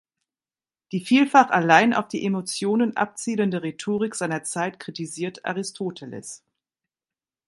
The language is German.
Die vielfach allein auf die Emotionen abzielende Rhetorik seiner Zeit kritisiert Aristoteles.